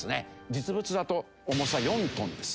実物だと重さ４トンです。